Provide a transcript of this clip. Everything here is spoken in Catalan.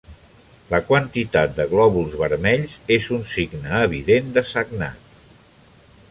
La quantitat de glòbuls vermells és un signe evident de sagnat.